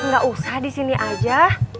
gak usah disini aja